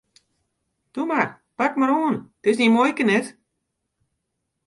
Toe mar, pak mar oan, it is dyn muoike net!